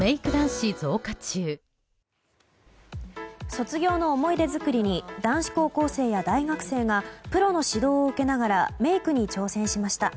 卒業の思い出作りに男子高校生や大学生がプロの指導を受けながらメイクに挑戦しました。